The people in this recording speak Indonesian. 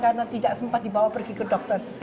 karena tidak sempat dibawa pergi ke dokter